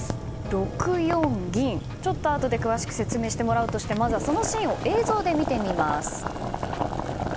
６四銀、あとで詳しく説明してもらうとしてまずは、そのシーンを映像で見てみます。